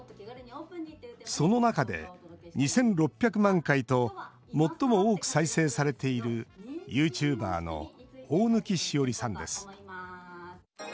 その中で２６００万回と最も多く再生されているユーチューバーの大貫詩織さんです。